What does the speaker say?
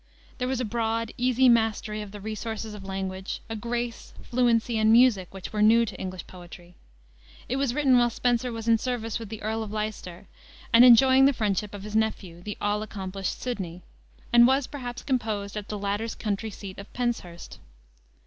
There was a broad, easy mastery of the resources of language, a grace, fluency, and music which were new to English poetry. It was written while Spenser was in service with the Earl of Leicester, and enjoying the friendship of his nephew, the all accomplished Sidney, and was, perhaps, composed at the latter's country seat of Penshurst.